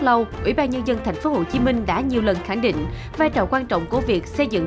lâu ủy ban nhân dân thành phố hồ chí minh đã nhiều lần khẳng định vai trò quan trọng của việc xây dựng